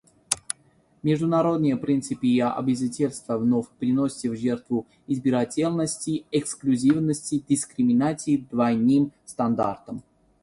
Международные принципы и обязательства вновь приносятся в жертву избирательности, эксклюзивности, дискриминации и двойным стандартам.